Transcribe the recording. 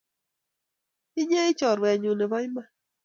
Inye ii chorwenyu nebo iman